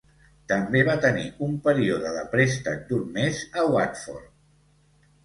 També va tenir un període de préstec d'un mes a Watford.